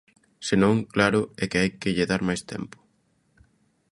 Se non, claro, é que hai que lle dar máis tempo.